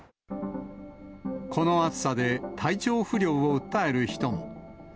この暑さで、体調不良を訴える人も。